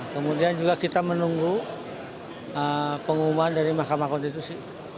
kemudian juga kita menunggu pengumuman dari mahkamah konstitusi